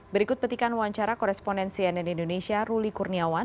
berikut petikan wawancara koresponen cnn indonesia ruli kurniawan